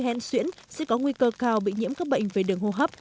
hèn xuyễn sẽ có nguy cơ cao bị nhiễm các bệnh về đường hô hấp